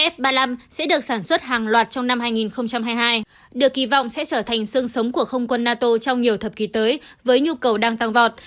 f ba mươi năm sẽ được sản xuất hàng loạt trong năm hai nghìn hai mươi hai được kỳ vọng sẽ trở thành sương sống của không quân nato trong nhiều thập kỷ tới với nhu cầu đang tăng vọt